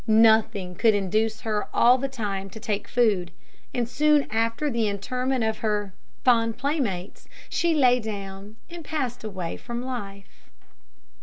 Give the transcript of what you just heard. Nothing could induce her all the time to take food, and soon after the interment of her fond playmates she lay down and passed away from life.